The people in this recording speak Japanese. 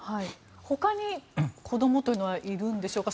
ほかに子どもというのはいるんでしょうか。